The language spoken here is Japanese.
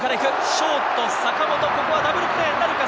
ショート坂本、ここはダブルプレーなるか。